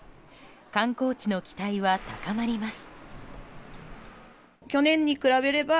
観光地の期待は高まります。